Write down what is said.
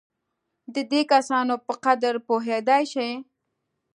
د دې کسانو په قدر پوهېدای شي.